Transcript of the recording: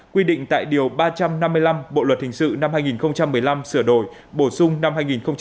quy định tại điều ba trăm năm mươi năm bộ luật hình sự năm hai nghìn một mươi năm sửa đổi bổ sung năm hai nghìn một mươi bảy